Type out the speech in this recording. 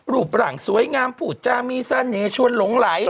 รูปหลังสวยงามผูดจ้ามีเส้นเนย์ชวนหลงไหล